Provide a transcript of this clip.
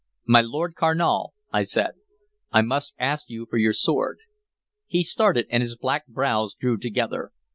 "My Lord Carnal," I said, "I must ask you for your sword." He started, and his black brows drew together.